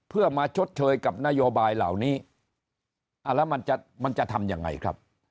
เพื่อมาชดเชยกับนโยบายเหล่านี้แล้วมันจะมันจะทำยังไงครับ